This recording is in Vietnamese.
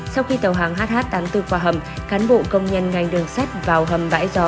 sau khi tàu hàng hh tám mươi bốn qua hầm cán bộ công nhân ngành đường sắt vào hầm bãi gió